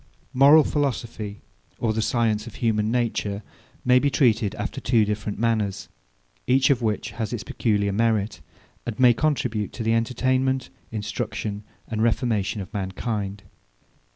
Moral philosophy, or the science of human nature, may be treated after two different manners; each of which has its peculiar merit, and may contribute to the entertainment, instruction, and reformation of mankind.